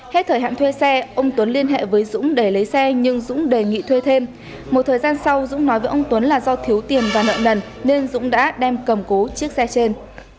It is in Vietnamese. hết thời hạn thuê xe ông tuấn liên hệ với dũng để lấy xe nhưng dũng đề nghị thuê thêm một thời gian sau dũng nói với ông tuấn là do thiếu tiền và nợ nần nên dũng đã đem cầm cố chiếc xe trên